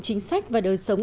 chính sách và đời sống